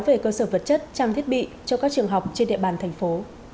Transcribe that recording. về cơ sở vật chất trang thiết bị cho các trường học trên địa bàn thành phố